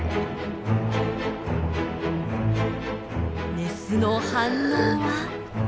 メスの反応は。